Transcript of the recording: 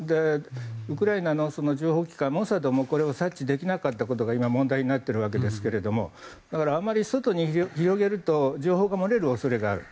ウクライナの情報機関モサドも察知できなかったことが問題になっている訳ですけどもだからあんまり外に広げると情報が漏れる恐れがある。